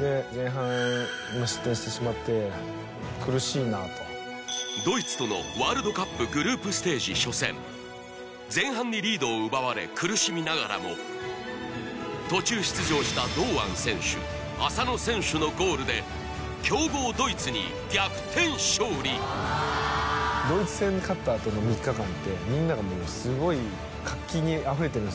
で前半も失点してしまって苦しいなとドイツとのワールドカップグループステージ初戦前半にリードを奪われ苦しみながらも途中出場した堂安選手浅野選手のゴールで強豪ドイツに逆転勝利ドイツ戦に勝ったあとの３日間ってみんながもうすごい活気にあふれてるんですよ